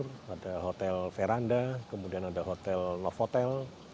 kemudian ada hotel veranda kemudian ada hotel love hotel